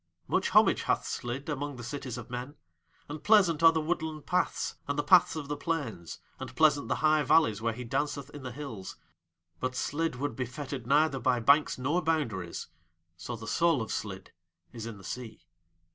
Much homage hath Slid among the cities of men and pleasant are the woodland paths and the paths of the plains, and pleasant the high valleys where he danceth in the hills; but Slid would be fettered neither by banks nor boundaries so the soul of Slid is in the Sea.